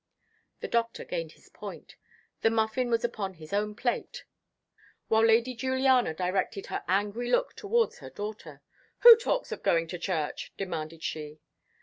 The Doctor gained his point. The muffin was upon his own plate, while Lady Juliana directed her angry look towards her daughter. "Who talks of going to church?" demanded she.